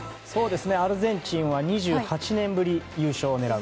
アルゼンチンは２８年ぶりの優勝を狙う。